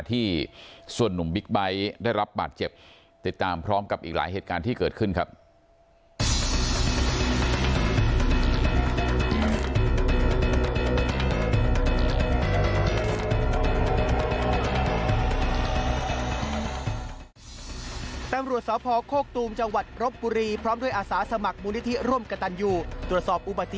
ที่ส่วนหนุ่มบิ๊กไบท์ได้รับบาดเจ็บติดตามพร้อมกับอีกหลายเหตุการณ์ที่เกิดขึ้นครับ